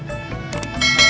apapun yang berhasil diberkas